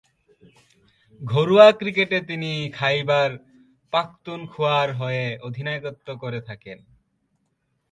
ঘরোয়া ক্রিকেটে তিনি খাইবার পাখতুনখোয়ার হয়ে অধিনায়কত্ব করে থাকেন।